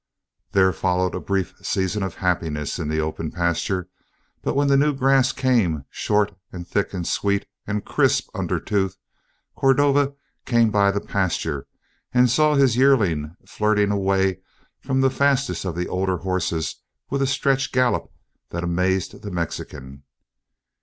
There followed a brief season of happiness in the open pasture but when the new grass came, short and thick and sweet and crisp under tooth, Cordova came by the pasture and saw his yearling flirting away from the fastest of the older horses with a stretch gallop that amazed the Mexican.